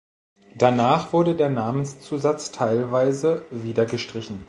Danach wurde der Namenszusatz teilweise wieder gestrichen.